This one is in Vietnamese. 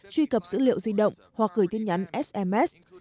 truy cập dữ liệu di động hoặc gửi tin nhắn sms